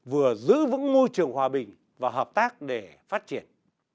vừa giữ vững môi trường hòa bình và hợp tác để phát triển